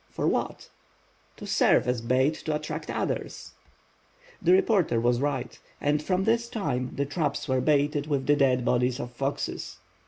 "For what?" "To serve as bait to attract others!" The reporter was right, and from this time the traps were baited with the dead bodies of foxes.